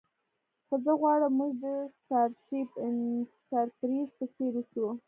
خو زه غواړم موږ د سټارشیپ انټرپریز په څیر اوسو